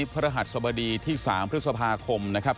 พระรหัสสบดีที่๓พฤษภาคมนะครับ